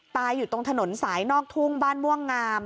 อยู่ตรงถนนสายนอกทุ่งบ้านม่วงงาม